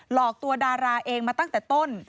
หลอกตัวดาราเองมาตั้งแต่ต้น